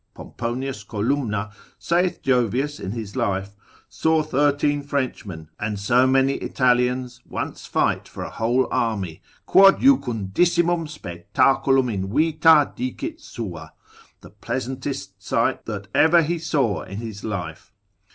Pomponius Columna, saith Jovius in his life, saw thirteen Frenchmen, and so many Italians, once fight for a whole army: Quod jucundissimum spectaculum in vita dicit sua, the pleasantest sight that ever he saw in his life.